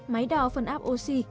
máy đào phân áp oxy